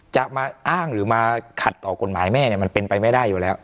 จะมาอ้างหรือมาขัดต่อกฎหมายแม่เนี่ยมันเป็นไปไม่ได้อยู่แล้ว